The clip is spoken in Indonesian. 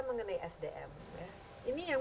mengenai sdm ini yang